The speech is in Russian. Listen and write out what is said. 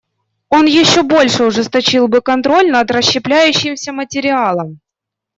Он еще больше ужесточил бы контроль над расщепляющимся материалом.